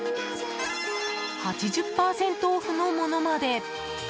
８０％オフのものまで！